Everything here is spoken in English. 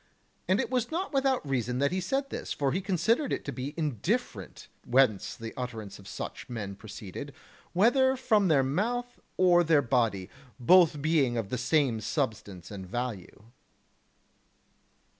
And it was not without reason that he said this, for he considered it to be indifferent whence the utterance of such men proceeded, whether from their mouth or their body; both being of the same substance and value.